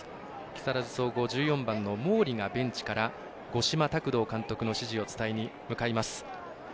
木更津総合１４番の毛利がベンチから五島卓道監督の指示を伝えに向かいます。